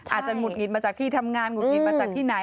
หงุดหงิดมาจากที่ทำงานหงุดหงิดมาจากที่ไหน